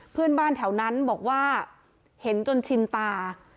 เพื่อนบ้านแถวนั้นบอกว่าเห็นจนชินตา